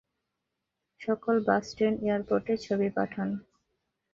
সকল bus, train, এয়ারপোর্টে ছবি পাঠান।